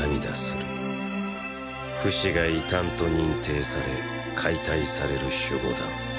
フシが異端と認定され解体される守護団。